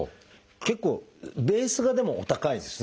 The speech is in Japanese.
結構ベースがでもお高いんですね。